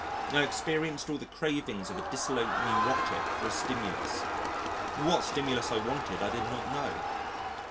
I experienced all the cravings of a dissolute neurotic for a stimulus, but what stimulus I wanted I did not know.